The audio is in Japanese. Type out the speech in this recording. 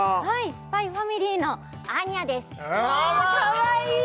「ＳＰＹ×ＦＡＭＩＬＹ」のアーニャですかわいい！